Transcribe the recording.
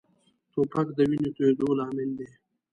توپک د وینې تویېدو لامل دی.